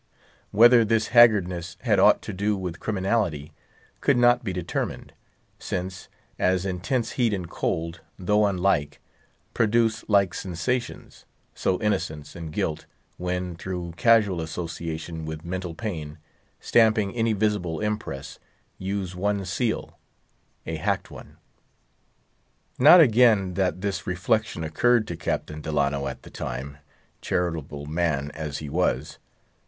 Whether this haggardness had aught to do with criminality, could not be determined; since, as intense heat and cold, though unlike, produce like sensations, so innocence and guilt, when, through casual association with mental pain, stamping any visible impress, use one seal—a hacked one. Not again that this reflection occurred to Captain Delano at the time, charitable man as he was.